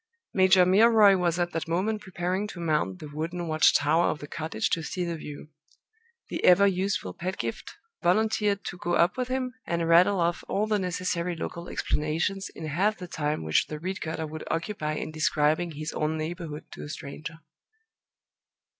Major Milroy was at that moment preparing to mount the wooden watch tower of the cottage to see the view. The ever useful Pedgift volunteered to go up with him, and rattle off all the necessary local explanations in half the time which the reed cutter would occupy in describing his own neighborhood to a stranger.